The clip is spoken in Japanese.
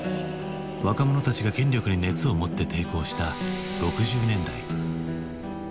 若者たちが権力に熱を持って抵抗した６０年代。